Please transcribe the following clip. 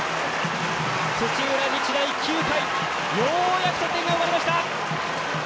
土浦日大、９回、ようやく得点が生まれました！